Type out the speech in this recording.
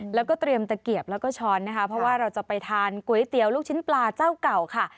แล้วก็เตรียมตะเกียบแล้วก็ช้อนนะคะเพราะว่าเราจะไปทานก๋วยเตี๋ยวลูกชิ้นปลาเจ้าเก่าค่ะ